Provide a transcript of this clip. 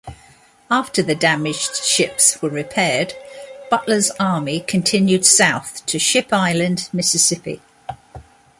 After the damaged ships were repaired, Butler's army continued south to Ship Island, Mississippi.